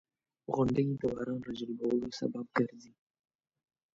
• غونډۍ د باران راجلبولو سبب ګرځي.